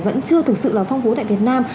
vẫn chưa thực sự là phong phú tại việt nam